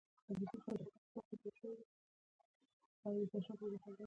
له سیاسي چلن سره قبایلي عصبیت کوو.